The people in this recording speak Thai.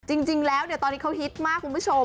จริงแล้วตอนนี้เขาฮิตมากคุณผู้ชม